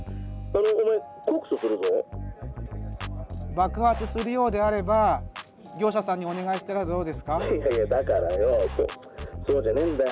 爆発するようであれば業者さんにお願いしたらどうですか？